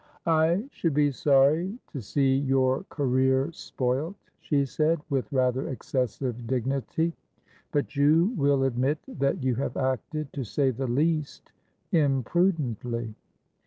"I should be sorry to see your career spoilt," she said, with rather excessive dignity. "But you will admit that you have acted, to say the least, imprudently."